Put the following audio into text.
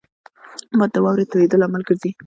باد د واورې تویېدو لامل ګرځي